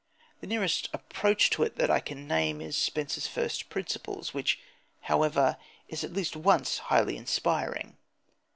The nearest approach to it that I can name is Spencer's First Principles, which, however, is at least once highly inspiring.